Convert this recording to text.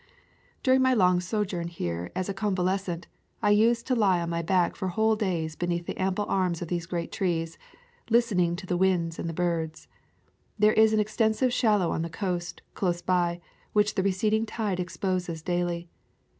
During my long sojourn here as a convales cent I used to lie on my back for whole days beneath the ample arms of these great trees, listening to the winds and the birds. There is an extensive shallow on the coast, close by, which the receding tide exposes daily.